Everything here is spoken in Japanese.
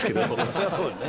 そりゃそうよね。